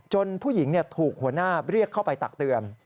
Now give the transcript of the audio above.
ผู้หญิงถูกหัวหน้าเรียกเข้าไปตักเตือน